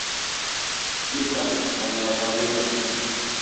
Lütfen, sana yalvarıyorum.